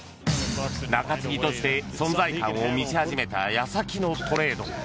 中継ぎとして存在感を見せ始めた矢先のトレード。